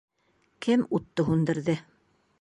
— Кем утты һүндерҙе?